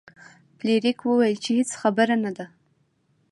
فلیریک وویل چې هیڅ خبره نه ده.